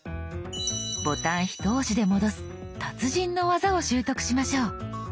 ボタンひと押しで戻す達人の技を習得しましょう。